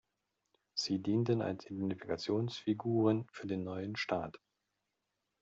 Sie dienten als Identifikationsfiguren für den neuen Staat.